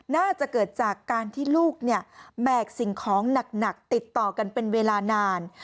น่าจะเกิดจากการที่ลูกเนี่ยแบกสิ่งของหนักติดต่อกันเป็นเวลานาน